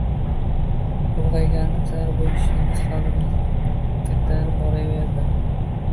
Ulgʻayganim sari bu ishingiz qalbimda kattarib boraverdi.